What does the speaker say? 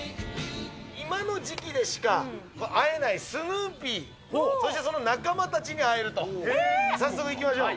今の時期でしか会えないスヌーピー、そしてその仲間たちに会えるということで、早速行きましょう。